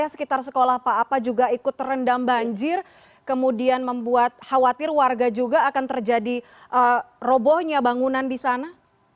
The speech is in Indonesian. sekitar sekolah pak apa juga ikut terendam banjir kemudian membuat khawatir warga juga akan terjadi robohnya bangunan di sana